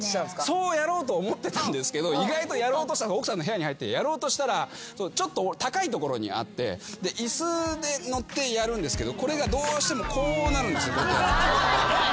そうやろうと思ってたんですけど意外と奥さんの部屋に入ってやろうとしたらちょっと高い所にあって椅子で乗ってやるんですけどこれがどうしてもこうなるんですよ。